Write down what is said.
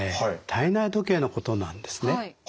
体内時計のことなんですね。